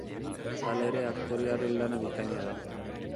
Hala ere aktorearen lana bikaina da.